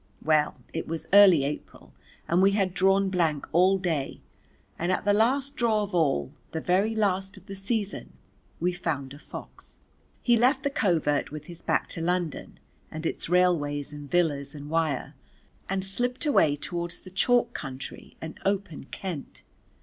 Well it was early April and we had drawn blank all day, and at the last draw of all, the very last of the season, we found a fox. He left the covert with his back to London and its railways and villas and wire and slipped away towards the chalk country and open Kent.